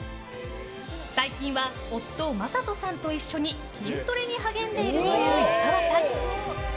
最近は夫・魔裟斗さんと一緒に筋トレに励んでいるという矢沢さん。